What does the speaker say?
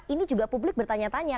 ini juga publik bertanya tanya